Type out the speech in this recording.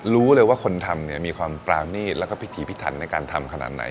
รู้เลยว่าคนทำเนี่ยมีความปรานีตแล้วก็พิถีพิถันในการทำขนาดไหน